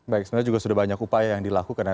baik sebenarnya juga sudah banyak upaya yang dilakukan ya